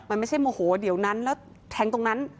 มันไม่ใช่โมโหเดี๋ยวนั้นแล้วแทงตรงนั้น